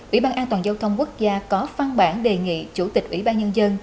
ủy ban an toàn giao thông quốc gia có phân bản đề nghị chủ tịch ủy ban nhân dân